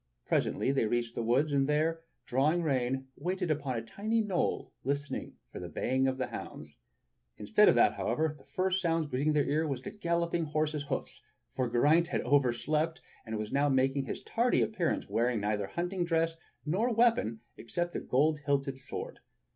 Presently they reached the wood, and there, drawing rein, waited upon a tiny knoll listening for the baying of the hounds. Instead of that, however, the first sound that greeted their ear was that of a galloping horse's hoofs, for Geraint had also overslept. (I'ERAINT WITH THE SPARROW HAWK 53 and was now making his tardy appearance wearing neither hunting dress nor weapon, except a golden hilted sword.